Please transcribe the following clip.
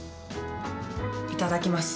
いただきます。